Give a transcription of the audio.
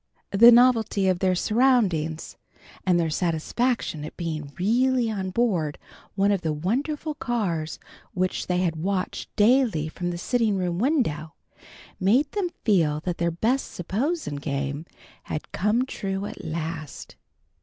The novelty of their surroundings and their satisfaction at being really on board one of the wonderful cars which they had watched daily from the sitting room window, made them feel that their best "S'posen" game had come true at last.